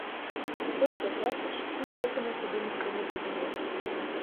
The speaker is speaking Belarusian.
А то і заплаціш, і вока на цябе ніхто не будзе мець.